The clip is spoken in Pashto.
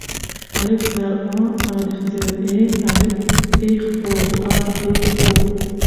الپ زر آ، الپ زر اي، الپ پېښ أو آآ اي او.